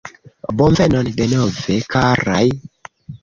Bonvenon denove, karaj.